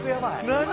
何？